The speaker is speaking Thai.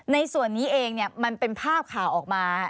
ในส่วนนี้เองมันเป็นภาพข่าวออกมา